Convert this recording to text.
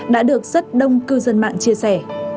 đã được rất đông cư dân mạng chia sẻ